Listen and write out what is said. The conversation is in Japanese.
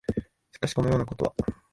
しかし、このようなことは、